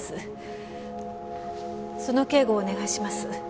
その警護をお願いします。